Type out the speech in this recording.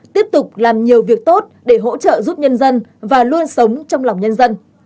tiếp tục làm nhiều việc tốt để hỗ trợ giúp nhân dân và luôn sống trong lòng nhân dân